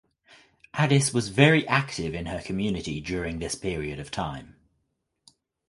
Addis was very active in her community during this period of time.